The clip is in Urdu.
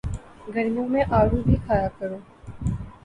گرمیوں میں آڑو بھی کھایا کرو